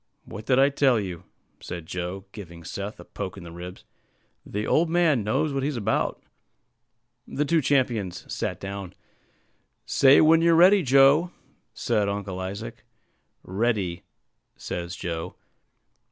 "What did I tell you?" said Joe, giving Seth a poke in the ribs; "the old man knows what he's about." The two champions sat down. "Say when you're ready, Joe," said Uncle Isaac. "Ready," says Joe.